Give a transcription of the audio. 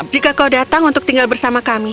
jika kau datang untuk tinggal bersama kami